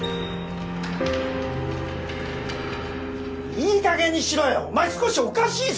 いい加減にしろよお前少しおかしいぞ